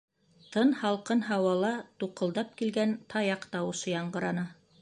Тын, һалҡын һауала туҡылдап килгән таяҡ тауышы яңғыраны.